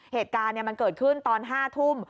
เหตุการณ์มันเกิดขึ้นตอน๕ทุ่ม